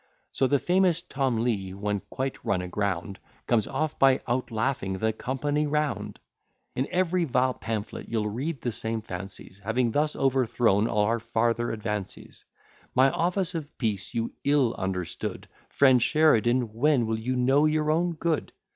_ So the famous Tom Leigh, when quite run a ground, Comes off by out laughing the company round: In every vile pamphlet you'll read the same fancies, Having thus overthrown all our farther advances. My offers of peace you ill understood; Friend Sheridan, when will you know your own good?